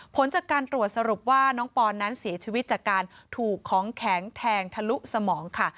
ผลจากการตรวจสรุปว่าน้องปอนนั้นเสียชีวิตจากการถูกของแข็งแทงทะลุสมองค่ะ